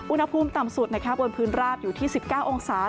อุณหภูมิต่ำสุดบนพื้นราบอยู่ที่๑๙องศา